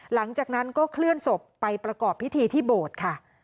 หลังจากนั้นก็เคลื่อนศพไปประกอบพิธีที่โบสถ์ค่ะ